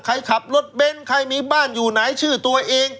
ขับรถเบ้นใครมีบ้านอยู่ไหนชื่อตัวเอง